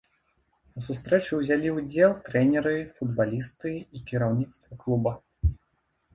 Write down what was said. У сустрэчы ўзялі ўдзел трэнеры, футбалісты і кіраўніцтва клуба.